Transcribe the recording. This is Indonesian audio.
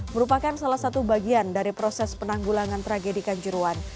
merupakan salah satu bagian dari proses penanggulangan tragedi kanjuruan